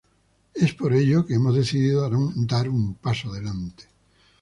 Es por ello que hemos decidido dar un paso adelante.